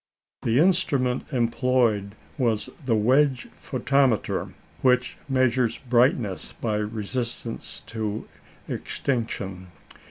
The instrument employed was the "wedge photometer," which measures brightness by resistance to extinction.